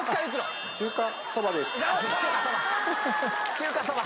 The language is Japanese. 中華そば。